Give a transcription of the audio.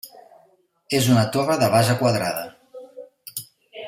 És una torre de base quadrada.